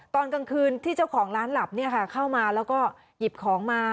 ตอนกลางคืนที่เจ้าของร้านหลับเนี่ยค่ะเข้ามาแล้วก็หยิบของมา